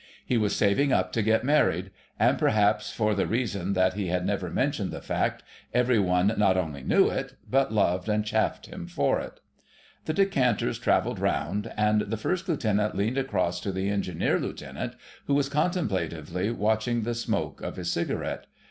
He was saving up to get married; and perhaps for the reason that he had never mentioned the fact, every one not only knew it, but loved and chaffed him for it. The decanters travelled round, and the First Lieutenant leaned across to the Engineer Lieutenant, who was contemplatively watching the smoke of his cigarette.